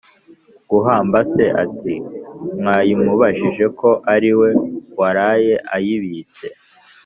guhamba se, ati "mwayimubajije ko ari we waraye ayibitse".